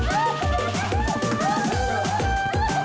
ya allah terima kasih